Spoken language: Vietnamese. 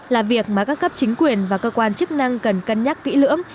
là việc mà các cấp chính quyền và cơ quan chức năng cần cân nhắc kỹ lưỡng